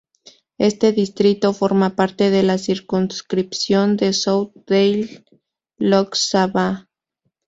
Este distrito forma parte de la circunscripción de South Delhi Lok Sabha.